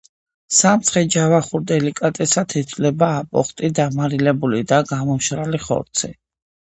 სამცხე-ჯავახურ დელიკატესად ითვლება აპოხტი — დამარილებული და გამომშრალი ხორცი